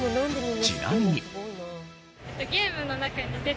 ちなみに。